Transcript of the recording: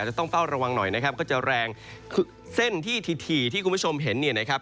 จะต้องเฝ้าระวังหน่อยนะครับก็จะแรงคือเส้นที่ถี่ที่คุณผู้ชมเห็นเนี่ยนะครับ